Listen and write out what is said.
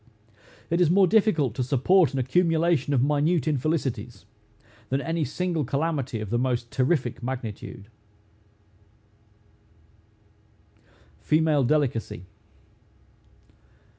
It is more difficult to support an accumulation of minute infelicities, than any single calamity of the most terrific magnitude. FEMALE DELICACY.